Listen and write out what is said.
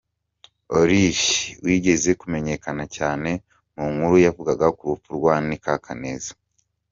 Olili wigeze kumenyekana cyane mu nkuru yavugaga ku rupfu rwa Nika Kaneza.